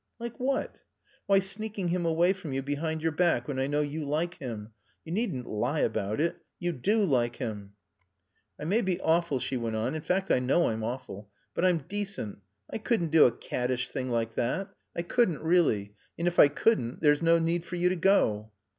"Like what?" "Why sneaking him away from you behind your back when I know you like him. You needn't lie about it. You do like him. "I may be awful," she went on. "In fact I know I'm awful. But I'm decent. I couldn't do a caddish thing like that I couldn't really. And, if I couldn't, there's no need for you to go."